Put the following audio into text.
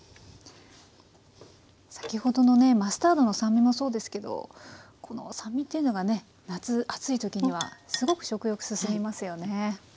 先ほどのねマスタードの酸味もそうですけどこの酸味っていうのがね夏暑い時にはすごく食欲進みますよね。